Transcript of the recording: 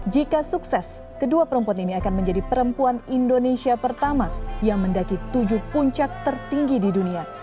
jika sukses kedua perempuan ini akan menjadi perempuan indonesia pertama yang mendaki tujuh puncak tertinggi di dunia